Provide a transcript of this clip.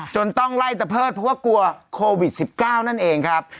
จนต้องไล่แต่เพิศเพราะว่ากลัวโควิดสิบเก้านั่นเองครับ